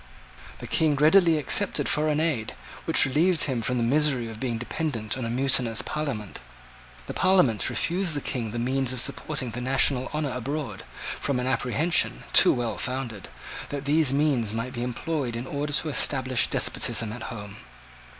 The King readily accepted foreign aid, which relieved him from the misery of being dependent on a mutinous Parliament. The Parliament refused to the King the means of supporting the national honor abroad, from an apprehension, too well founded, that those means might be employed in order to establish despotism at home.